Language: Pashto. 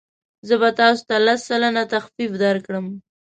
زه به تاسو ته لس سلنه تخفیف درکړم.